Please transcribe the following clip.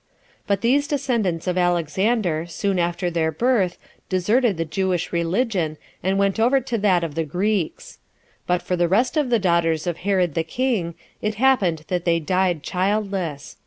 But these descendants of Alexander, soon after their birth, deserted the Jewish religion, and went over to that of the Greeks. But for the rest of the daughters of Herod the king, it happened that they died childless.